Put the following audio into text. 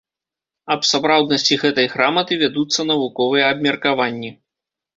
Аб сапраўднасці гэтай граматы вядуцца навуковыя абмеркаванні.